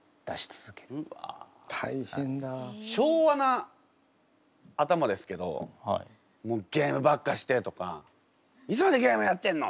昭和な頭ですけど「もうゲームばっかして」とか「いつまでゲームやってんの！」